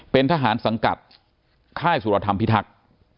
เป็นทหารสังกัดค่ายสุรธรรมพิทักษ์